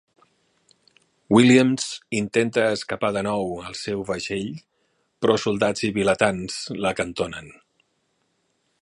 Williams intenta escapar de nou al seu vaixell, però soldats i vilatans l'acantonen.